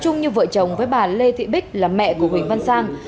chung như vợ chồng với bà lê thị bích là mẹ của huỳnh văn sang